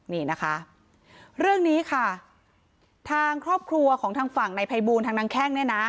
นี่นะคะเรื่องนี้ค่ะทางครอบครัวของทางฝั่งในภัยบูลทางนางแข้งเนี่ยนะ